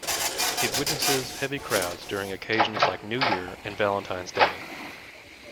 It witnesses heavy crowds during occasions like New Year and Valentine's Day.